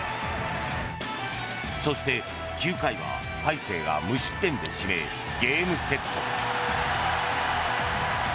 そして、９回は大勢が無失点で締め、ゲームセット。